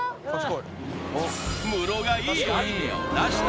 うん室がいいアイデアを出した！